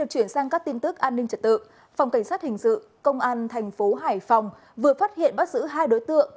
trang các tin tức an ninh trật tự phòng cảnh sát hình sự công an tp hải phòng vừa phát hiện bắt giữ hai đối tượng